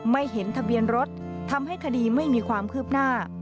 ไม่เห็นทะเบียนรถทำให้คดีไม่มีความคืบหน้า